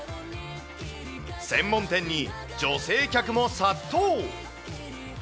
専門店に女性客も殺到。